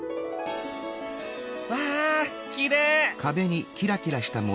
わあきれい！